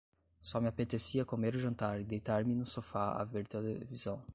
Só me apetecia comer o jantar e deitar-me no sofá a ver televisão.